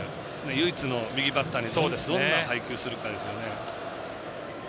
唯一の右バッターにどんな配球するかですよね。